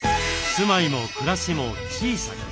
住まいも暮らしも小さく。